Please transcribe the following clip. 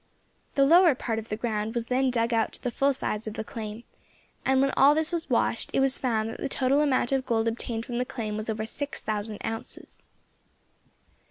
The lower part of the ground was then dug out to the full size of the claim, and when all this was washed it was found that the total amount of gold obtained from the claim was over six thousand ounces.